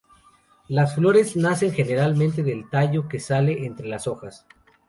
Las flores nacen generalmente del tallo que sale entre las hojas.